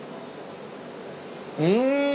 うん！